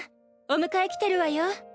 お迎え来てるわよ